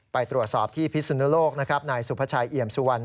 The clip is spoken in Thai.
ไปตรวจสอบที่พิศนุโลกนะครับนายสุภาชัยเอี่ยมสุวรรณ